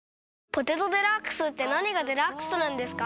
「ポテトデラックス」って何がデラックスなんですか？